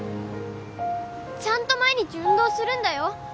ちゃんと毎日運動するんだよ！